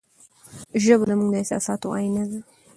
ژبه زموږ د احساساتو آینه ده.